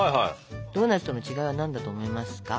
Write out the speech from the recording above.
ドーナツとの違いは何だと思いますか？